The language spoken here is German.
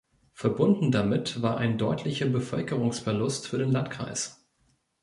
Verbunden damit war ein deutlicher Bevölkerungsverlust für den Landkreis.